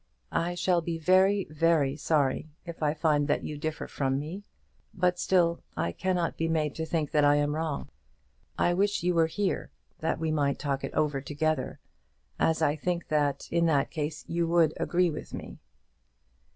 I shall be very, very sorry, if I find that you differ from me; but still I cannot be made to think that I am wrong. I wish you were here, that we might talk it over together, as I think that in that case you would agree with me.